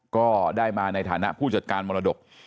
ก็ได้มาในฐานะผู้จัดการมรดก